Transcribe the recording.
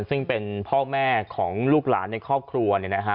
ซึ่งเป็นพ่อแม่ของลูกหลานในครอบครัวเนี่ยนะฮะ